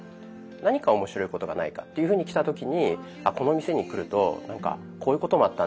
何か面白いことがないかっていうふうに来た時にこの店に来るとこういうこともあったんだ